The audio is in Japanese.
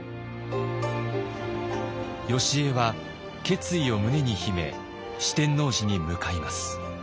よしえは決意を胸に秘め四天王寺に向かいます。